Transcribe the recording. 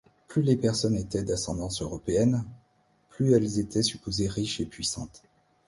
Plus les personnes étaient d'ascendance européenne, plus elles étaient supposées riches et puissantes.